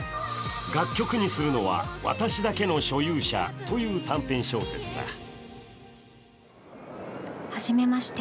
楽曲にするのは、「私だけの所有者」という短編小説だ。